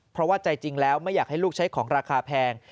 เพราะว่าใจจริงแล้วไม่อยากให้ลูกใช้ของราคาแพง